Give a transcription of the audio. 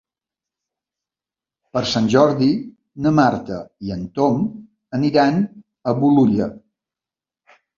Per Sant Jordi na Marta i en Tom aniran a Bolulla.